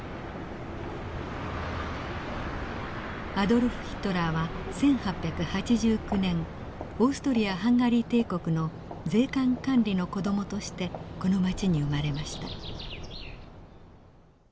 アドルフ・ヒトラーは１８８９年オーストリア＝ハンガリー帝国の税関官吏の子どもとしてこの町に生まれました。